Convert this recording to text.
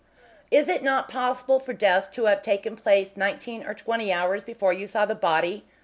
"Is it not possible for death to have taken place nineteen or twenty hours before you saw the body?"